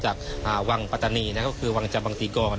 จากวังปัตตานีก็คือวังจากวังติกร